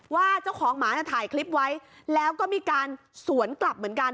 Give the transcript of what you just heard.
ว่าเจ้าของหมาถ่ายคลิปไว้แล้วก็มีการสวนกลับเหมือนกัน